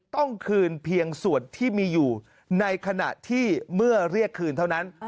ต้องคืนเพียงส่วนที่มีอยู่ในขณะที่เมื่อเรียกคืนเท่านั้น